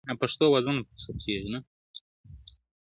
نه ملوک نه کوه قاف سته نه ښکلا سته په بدرۍ کي!!